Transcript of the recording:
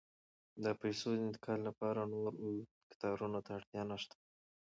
د پیسو د انتقال لپاره نور اوږدو کتارونو ته اړتیا نشته.